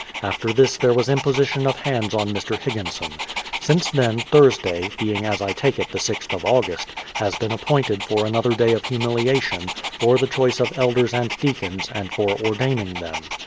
After this there was imposition of hands on Air. Higginson. Since then, Thursday (being as I take it the 6th of August) has been appointed for another day of humiUation, for the choice of elders and deacons, and for ordaining them.